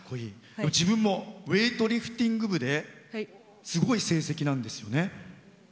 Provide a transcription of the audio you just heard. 自分もウエイトリフティング部ですごい成績なんですよね？